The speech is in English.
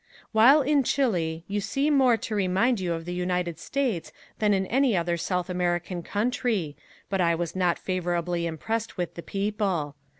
While in Chile you see more to remind you of the United States than in any other South American country but I was not favorably impressed with the people.